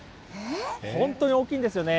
本当に大きいんですよね。